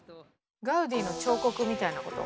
ガウディの彫刻みたいなこと？